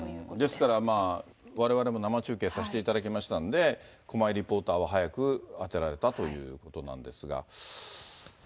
ですから、われわれも生中継させていただいたので、駒井リポーターは早く当てられたということなんですが。